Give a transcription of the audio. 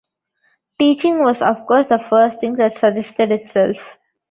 Teaching was, of course, the first thing that suggested itself.